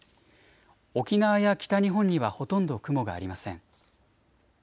沖縄や北日本にはほとんど雲がありません。